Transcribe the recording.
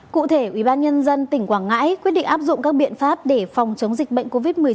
cụ thể ubnd tỉnh quảng ngãi quyết định áp dụng các biện pháp để phòng chống dịch bệnh covid một mươi chín